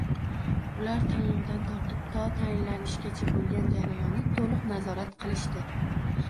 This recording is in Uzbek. Ular tanlovdan tortib to tayinlanishgacha bo'lgan jarayonni to'liq nazorat qilishdi